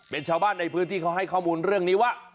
เป็นชาวบ้านในพื้นที่เขาให้ข้อมูลเรื่องนี้ว่า